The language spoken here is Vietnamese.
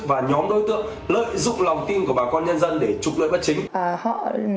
và nhóm đối tượng lợi dụng lòng tin của bà con nhân dân để trục lợi bất chính